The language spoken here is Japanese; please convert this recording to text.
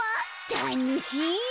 たのしい！